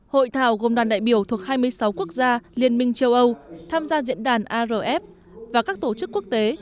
hội thảo gồm đoàn đại biểu thuộc hai mươi sáu quốc gia liên minh châu âu tham gia diễn đàn arf và các tổ chức quốc tế